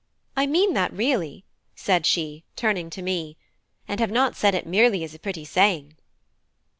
I mean that really," said she, turning to me, "and have not said it merely as a pretty saying."